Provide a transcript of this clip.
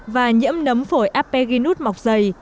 và nhiễm nấm phổi apeginus mọc dày